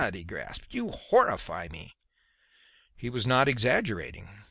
he gasped. "You horrify me!" He was not exaggerating.